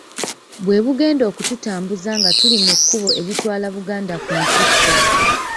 Bwe bugenda okututambuza nga tuli mu kkubo eritwala Buganda ku ntikko.